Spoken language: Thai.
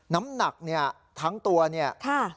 น้ำหนักเนี่ยทั้งตัวเนี่ย